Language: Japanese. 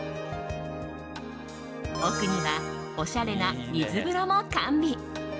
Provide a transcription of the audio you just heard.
奥には、おしゃれな水風呂も完備。